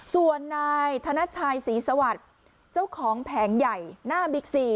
ส่วนนายธนชัยศรีสวัสดิ์เจ้าของแผงใหญ่หน้าบิ๊กซี